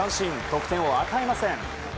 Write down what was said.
得点を与えません。